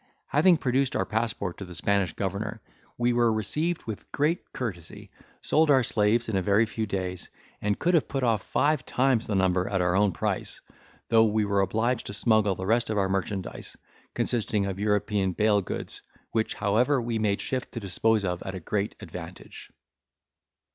Having produced our passport to the Spanish governor, we were received with great courtesy, sold our slaves in a very few days, and could have put off five times the number at our own price; though we were obliged to smuggle the rest of our merchandise, consisting of European bale goods, which however we made shift to dispose of at a great advantage.